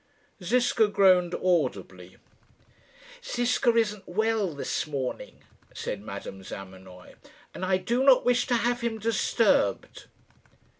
Ziska groaned audibly. "Ziska isn't well this morning," said Madame Zamenoy, "and I do not wish to have him disturbed."